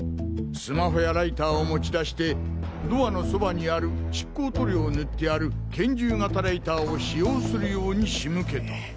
スマホやライターを持ち出してドアのそばにある蓄光塗料を塗ってある拳銃型ライターを使用するようにしむけた。